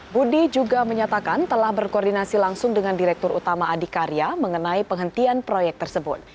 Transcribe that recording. budi juga menyatakan telah berkoordinasi langsung dengan direktur utama adhikarya mengenai penghentian proyek tersebut